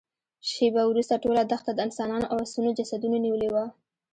شېبه وروسته ټوله دښته د انسانانو او آسونو جسدونو نيولې وه.